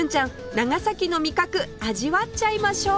長崎の味覚味わっちゃいましょう！